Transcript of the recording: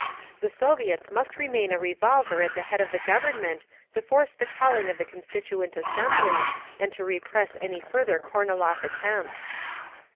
The Soviets must remain a revolver at the head of the Government to force the calling of the Constituent Assembly, and to suppress any further Kornilov attempts.